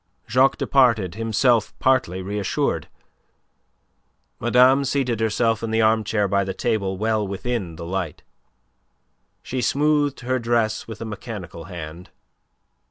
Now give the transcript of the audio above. Jacques departed, himself partly reassured. Madame seated herself in the armchair by the table well within the light. She smoothed her dress with a mechanical hand.